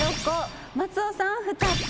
松尾さん２つ。